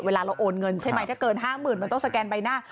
เวลาเราโอนเงินใช่ไหมถ้าเกิน๕๐๐๐มันต้องสแกนใบหน้า